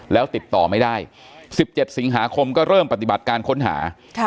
แล้วติดต่อไม่ได้๑๗สิงหาคมก็เริ่มปฏิบัติการค้นหา